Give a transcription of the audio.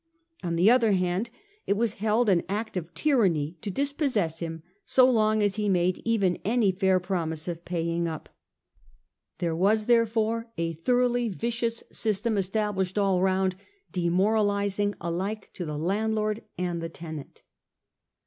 On the other hand, it was held an act of tyranny to dispossess him so long as he made even any fair promise of paying up. There was, therefore, a thoroughly vicious system established all round, demoralising alike to the landlord and the tenant.